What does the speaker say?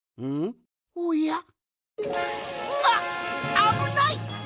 あぶない！